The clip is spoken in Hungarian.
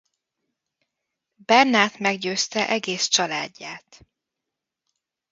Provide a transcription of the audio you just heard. Bernát meggyőzte egész családját.